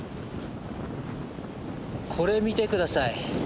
これ見て下さい。